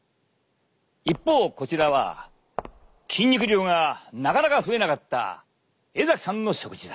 一方こちらは筋肉量がなかなか増えなかった江さんの食事だ。